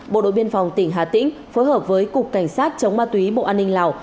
bộ đội biên phòng tỉnh hà tĩnh phối hợp với cục cảnh sát chống ma túy bộ an ninh lào